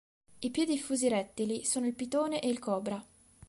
I più diffusi rettili sono il pitone e il cobra.